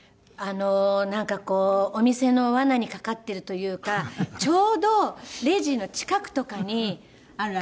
なんかこうお店の罠にかかってるというかちょうどレジの近くとかに乾電池があるじゃないですか。